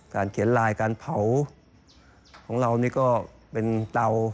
เขียนลายการเผาของเรานี่ก็เป็นเตา